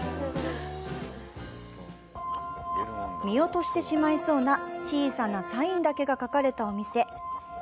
見落としてしまいそうな小さなサインだけが書かれたお店。